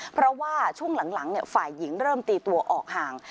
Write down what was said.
เพราะว่าช่วงหลังฝ่ายหญิงเริ่มตีตัวออกห่าง